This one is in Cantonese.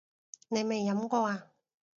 你未飲過呀？